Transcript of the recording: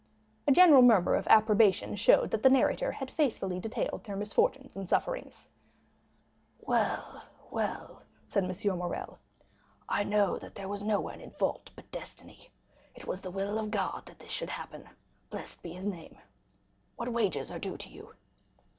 A general murmur of approbation showed that the narrator had faithfully detailed their misfortunes and sufferings. "Well, well," said M. Morrel, "I know there was no one in fault but destiny. It was the will of God that this should happen, blessed be his name. What wages are due to you?"